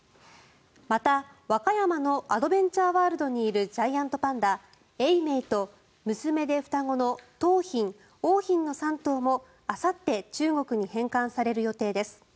また、和歌山のアドベンチャーワールドにいるジャイアントパンダ永明と娘で双子の桃浜、桜浜の３頭もあさって中国に返還される予定です。